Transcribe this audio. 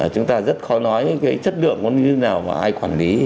chúng ta rất khó nói cái chất lượng của nó như thế nào mà ai quản lý